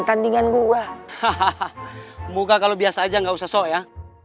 hahaha muka kalau biasa aja gak usah sok ya